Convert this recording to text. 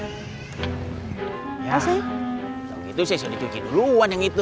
kalau gitu saya sudah cuci duluan yang itu